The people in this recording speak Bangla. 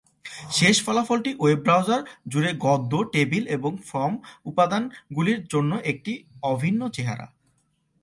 শেষ ফলাফলটি ওয়েব ব্রাউজার জুড়ে গদ্য, টেবিল এবং ফর্ম উপাদানগুলির জন্য একটি অভিন্ন চেহারা।